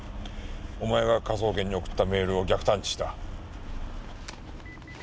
お前が科捜研に送ったメールを逆探知した。